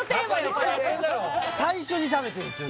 これ最初に食べてんですよ